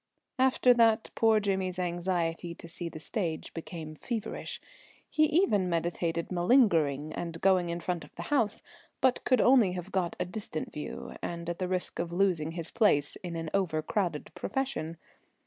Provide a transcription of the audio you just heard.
After that poor Jimmy's anxiety to see the stage became feverish. He even meditated malingering and going in front of the house, but could only have got a distant view, and at the risk of losing his place in an overcrowded profession.